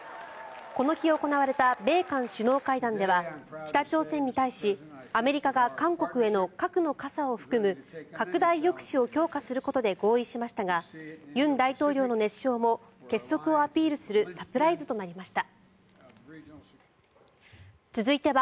この日行われた米韓首脳会談では北朝鮮に対しアメリカが、韓国への核の傘を含む拡大抑止を強化することで合意しましたが尹大統領の熱唱も結束をアピールするサプライズとなりました。